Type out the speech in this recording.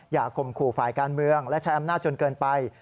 ข่มขู่ฝ่ายการเมืองและใช้อำนาจจนเกินไป